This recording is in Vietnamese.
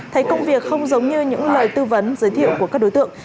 thấy công việc không giống như những lời tư vấn giới thiệu của các đối tượng